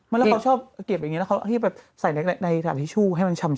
มันเขาชอบเก็บแบบนี้แล้วเค้ารูปแสดงใดระบบทีชู่ให้มันช่ำ